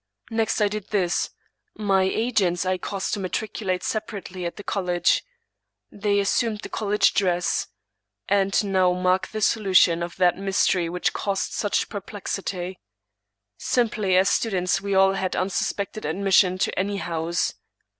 Next I did this: My agents I caused to matriculate separately at the college. They assumed the college dress. And now mark the solu tion of that mystery which caused such perplexity. Simply as students we all had an unsuspected admission at any house.